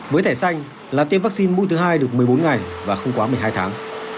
với thẻ xanh là tiêm vaccine mũi thứ hai được một mươi bốn ngày và không quá một mươi hai tháng